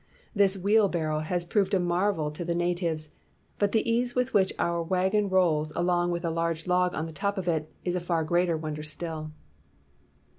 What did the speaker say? This wheelbarrow has proved a marvel to the natives ; but the ease with which our wagon rolls along with a large log on the top of it, is a far greater wonder still."